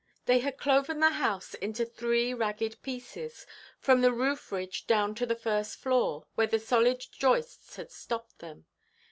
They had cloven the house into three ragged pieces, from the roof–ridge down to the first floor, where the solid joists had stopped them.